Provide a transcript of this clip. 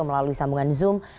melalui sambungan zoom